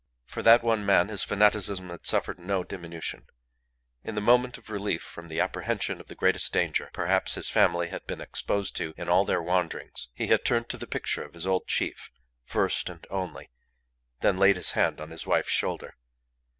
For that one man his fanaticism had suffered no diminution. In the moment of relief from the apprehension of the greatest danger, perhaps, his family had been exposed to in all their wanderings, he had turned to the picture of his old chief, first and only, then laid his hand on his wife's shoulder.